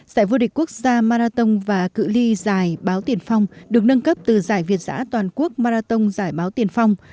giải vô địch quốc gia marathon và cự li giải báo tiền phong được nâng cấp từ giải việt giã toàn quốc marathon giải báo tiền phong